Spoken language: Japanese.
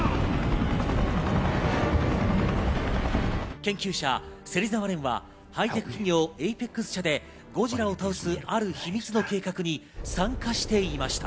研究者・芹沢蓮はハイテク企業、エイペックス社でゴジラを倒すある秘密の計画に参加していました。